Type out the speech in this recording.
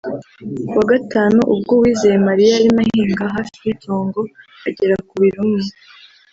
Ku wa Gatanu ubwo Uwizeye Mariya yarimo ahinga hafi y’itongo agera ku mubiri umwe